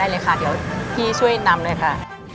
ค่ะได้เลยค่ะเดี๋ยวพี่ช่วยนำนะค่ะ